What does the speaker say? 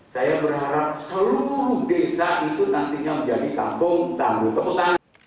saya berharap seluruh desa itu nantinya menjadi kampung tangguh